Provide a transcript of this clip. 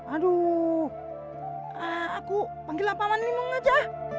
aduh aku panggil paman linglung aja